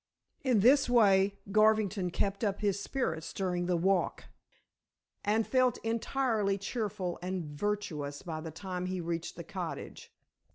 In this way Garvington kept up his spirits during the walk, and felt entirely cheerful and virtuous by the time he reached the cottage.